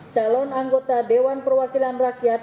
calon anggota dewan perwakilan rakyat